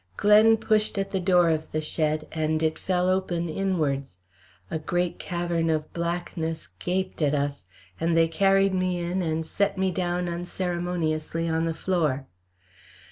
Glen pushed at the door of the shed and it fell open inwards. A great cavern of blackness gaped at us, and they carried me in and set me down unceremoniously on the floor.